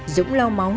dũng lau máu